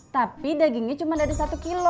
tapi dagingnya cuma dari satu kilo